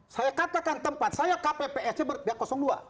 saya katakan tempat saya kpps nya berarti dua